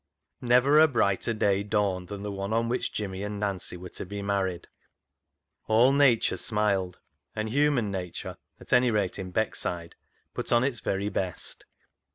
GIVING A MAN AWAY 97 Never a brighter day dawned than the one on which Jimmy and Nancy were to be married. All nature smiled, and human nature, at any rate in Beckside, put on its very best.